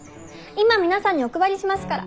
今皆さんにお配りしますから。